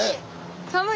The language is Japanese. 寒い？